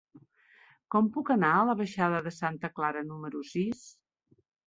Com puc anar a la baixada de Santa Clara número sis?